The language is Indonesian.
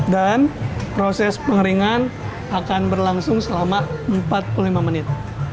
dan proses pengeringan akan berlangsung selama empat puluh lima menit